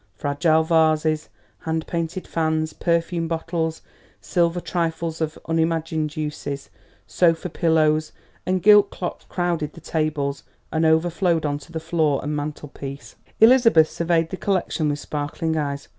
Fragile vases, hand painted fans, perfume bottles, silver trifles of unimagined uses, sofa pillows and gilt clocks crowded the tables and overflowed onto the floor and mantelpiece. Elizabeth surveyed the collection with sparkling eyes.